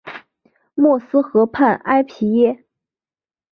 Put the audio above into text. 默斯河畔埃皮耶。